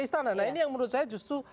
istana nah ini yang menurut saya justru